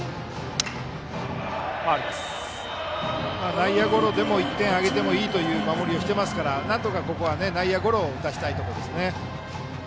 内野ゴロでも１点あげてもいいという守りをしていますからなんとかここは内野ゴロを打たせたいですね。